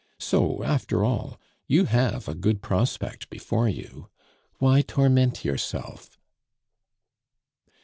So, after all, you have a good prospect before you. Why torment yourself?"